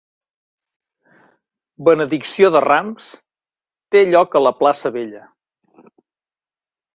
Benedicció de Rams: té lloc a la Plaça Vella.